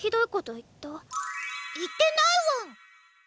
言ってないワン。